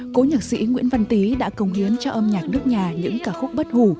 cố nhạc sĩ nguyễn văn tý đã công hiến cho âm nhạc nước nhà những ca khúc bất hủ